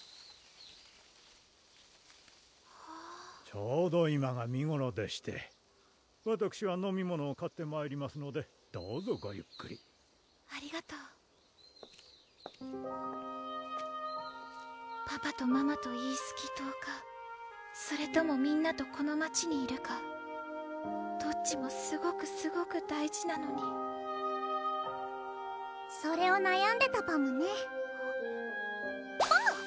ちょうど今が見頃でしてわたくしは飲み物を買ってまいりますのでどうぞごゆっくりありがとうパパとママとイースキ島かそれともみんなとこの町にいるかどっちもすごくすごく大事なのに・それをなやんでたパムね・パム！